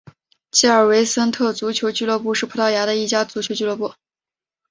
吉尔维森特足球俱乐部是葡萄牙的一家足球俱乐部。